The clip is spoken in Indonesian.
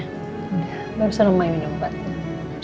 udah barusan umai minum obatnya